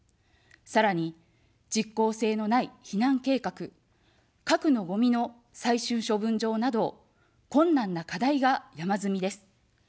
さらに、実効性のない避難計画、核のごみの最終処分場など、困難な課題が山積みです。